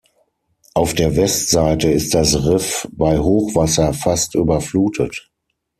Auf der Westseite ist das Riff bei Hochwasser fast überflutet.